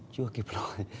chưa kịp lo